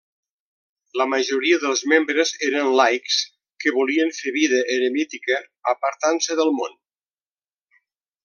La majoria dels membres eren laics, que volien fer vida eremítica apartant-se del món.